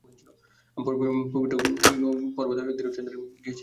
আমি পবিত্র পর্বত থিরুচেন্দুরে গিয়েছিলাম।